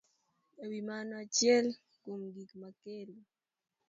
E wi mano, achiel kuom gik makelo